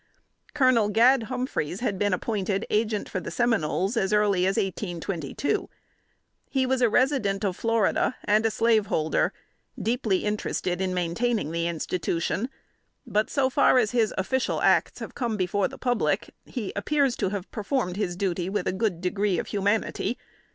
Colonel Gad Humphreys had been appointed Agent for the Seminoles as early as 1822. He was a resident of Florida, and a slaveholder, deeply interested in maintaining the institution; but so far as his official acts have come before the public, he appears to have performed his duty with a good degree of humanity.